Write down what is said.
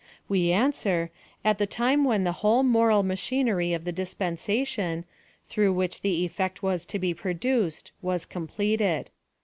Wo answer, at the time when the whole moral machinery of the dispensation, through which the elTect was to be produced, was completed.